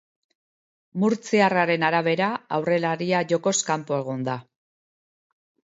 Murtziarraren arabera, aurrelaria jokoz kanpo egon da.